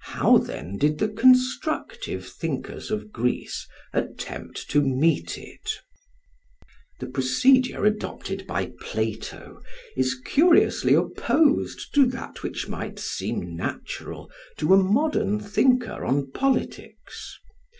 How then did the constructive thinkers of Greece attempt to meet it? The procedure adopted by Plato is curiously opposed to that which might seem natural to a modern thinker on politics.